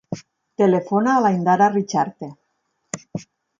Telefona a l'Indara Richarte.